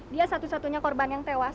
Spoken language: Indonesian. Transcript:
dia satu satunya korban yang tewas